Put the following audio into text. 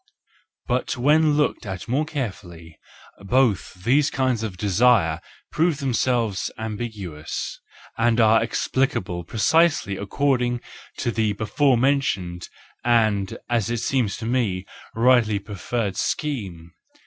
But when looked at more carefully, both these kinds of desire prove themselves ambiguous, and are explicable precisely according to the before mentioned and, as it seems to me, rightly preferred scheme.